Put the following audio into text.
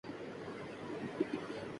بچی تھی جسے زینب کہا کرتے تھے